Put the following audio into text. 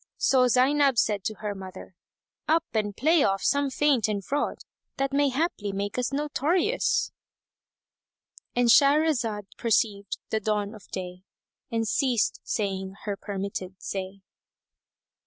So Zaynab said to her mother, "Up and play off some feint and fraud that may haply make us notorious"——And Shahrazad perceived the dawn of day and ceased saying her permitted say.